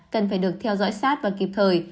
cần phải được theo dõi sát và kịp thời